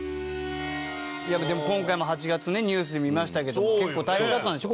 今回も８月ねニュース見ましたけども結構大変だったんでしょ？